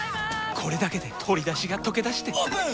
これだけで鶏だしがとけだしてオープン！